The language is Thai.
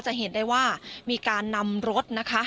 จะเห็นได้ว่ามีการนำรถนะคะ